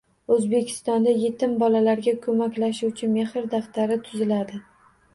O‘zbekistonda yetim bolalarga ko‘maklashuvchi “Mehr daftari” tuziladi